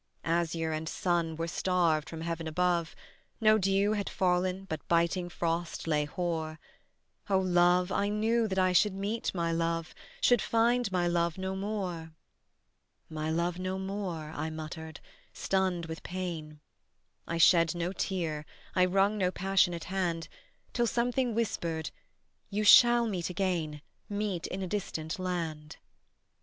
Azure and sun were starved from heaven above, No dew had fallen, but biting frost lay hoar: O love, I knew that I should meet my love, Should find my love no more. "My love no more," I muttered, stunned with pain: I shed no tear, I wrung no passionate hand, Till something whispered: "You shall meet again, Meet in a distant land."